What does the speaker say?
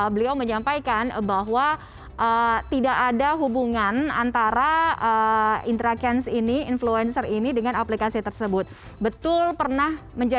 beliau menyampaikan bahwa tidak ada hubungan antara interaksi antara pemerintah dan pemerintah